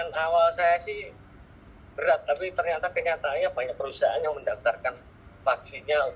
bayangan awal saya sih berat tapi ternyata banyak perusahaan yang mendaftarkan vaksinnya